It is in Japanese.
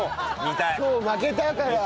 今日負けたから。